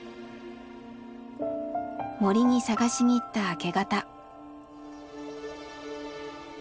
森に探しに行った明け方。